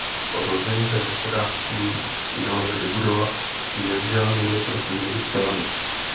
Rozvinuté hospodářství nelze vybudovat s nevzdělanými pracovními silami.